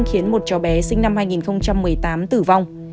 khiến một cháu bé sinh năm hai nghìn một mươi tám tử vong